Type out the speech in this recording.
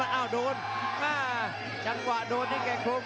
ประโยชน์ทอตอร์จานแสนชัยกับยานิลลาลีนี่ครับ